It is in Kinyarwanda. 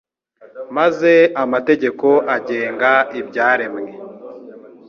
maze amategeko agenga ibyaremwe